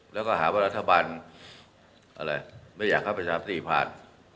แล้วก็หาว่ารัฐบาลอะไรไม่อยากให้ประชามติผ่าน